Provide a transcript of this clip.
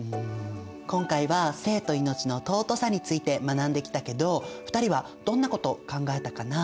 今回は性と命の尊さについて学んできたけど２人はどんなことを考えたかな？